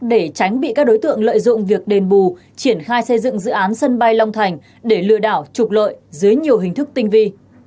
để tránh bị các đối tượng lợi dụng việc đền bù triển khai xây dựng dự án sân bay long thành để lừa đảo trục lợi dưới nhiều hình thức tinh vi